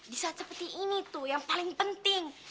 di saat seperti ini tuh yang paling penting